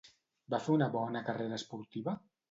Va fer una bona carrera esportiva?